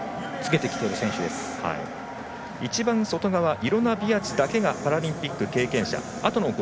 イロナ・ビアチだけがパラリンピック経験者。